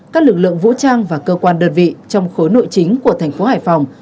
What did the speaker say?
các lực lượng vũ trang và cơ quan đơn vị trong khối nội chính của thành phố hải phòng